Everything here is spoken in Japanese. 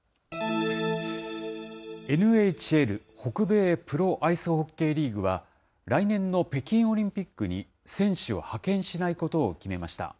ＮＨＬ・北米プロアイスホッケーリーグは、来年の北京オリンピックに選手を派遣しないことを決めました。